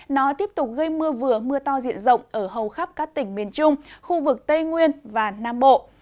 nó tiếp tục gây mưa vừa mưa to diện rộng ở hầu khắp các tỉnh miền trung khu vực tây nguyên và nam bộ